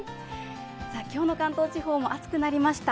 今日の関東地方も暑くなりました。